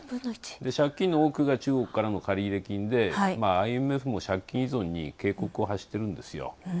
借金の多くが中国からの借入金でＩＭＦも借金依存に警告を発しているんですよ。